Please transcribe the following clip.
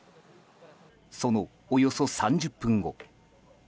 そのおよそ３０分後。